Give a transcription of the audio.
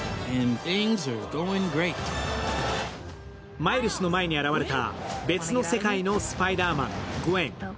マイルスの前に現れた別の世界のスパイダーマン、グウェン。